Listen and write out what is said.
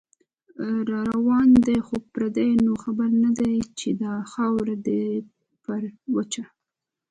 راروان دی خو پردې نو خبر نه دی، چې دا خاوره ده پر وچه